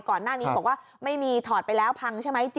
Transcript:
ก่อนหน้านี้บอกว่าไม่มีถอดไปแล้วพังใช่ไหม